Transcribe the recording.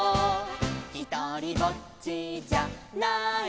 「ひとりぼっちじゃないさ」